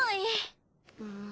うん。